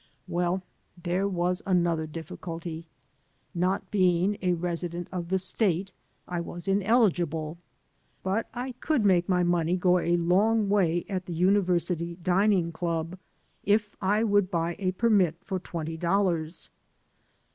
Well, there was another difficulty. Not being a resident of the State, I was ineligible. But I could make my money go a long way at the University Dining Club, if I would buy a permit for twenty dollars.